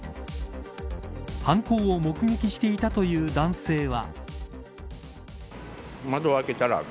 犯行を目撃していたという男性は。